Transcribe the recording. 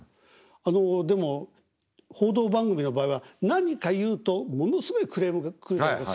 あのでも報道番組の場合は何か言うとものすごいクレームが来るじゃないですか。